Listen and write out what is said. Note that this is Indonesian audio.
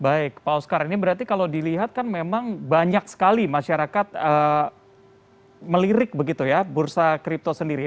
baik pak oscar ini berarti kalau dilihat kan memang banyak sekali masyarakat melirik begitu ya bursa kripto sendiri